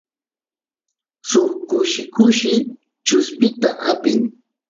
suk kushi kushi chuspita apin